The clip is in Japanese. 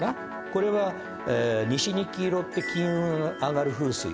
これは西に黄色って金運上がる風水。